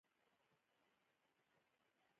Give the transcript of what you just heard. رسۍ په لاسو کې اسانه نیول کېږي.